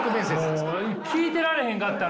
もう聞いてられへんかったな！